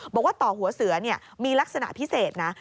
บอกว่าต่อหัวเสือมีลักษณะพิเศษนะ